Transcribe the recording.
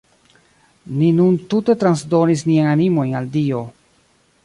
Ni nun tute transdonis niajn animojn al Dio.